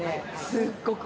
すっごく。